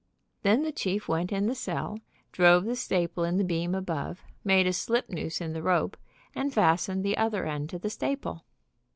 Then the chief went in the cell, drove the staple in the beam above, made a slipnoose in the rope, and fastened the other end to the staple.